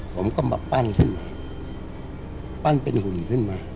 ผมก็มาปั้นขึ้น